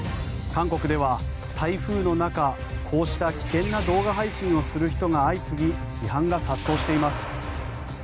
韓国では、台風の中こうした危険な動画配信をする人が相次ぎ批判が殺到しています。